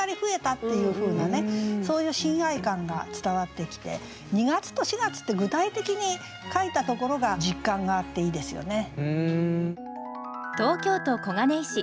そういう親愛感が伝わってきて「二月と四月」って具体的に書いたところが実感があっていいですよね。